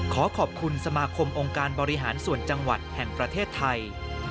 ขอขอบคุณสมาคมองค์การบริหารส่วนจังหวัดแห่งประเทศไทย